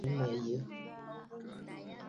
Kùʼùsə ŋghɨrə mə̀ yə̂!